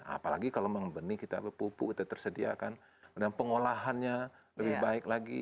apalagi kalau membeni kita pupuk kita tersediakan dan pengolahannya lebih baik lagi